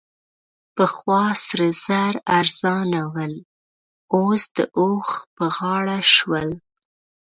پخوا سره زر ارزانه ول؛ اوس د اوښ په غاړه شول.